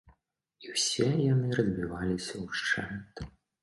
І ўсе яны разбіваліся ўшчэнт.